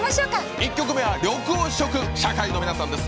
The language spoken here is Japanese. １曲目は緑黄色社会の皆さんです。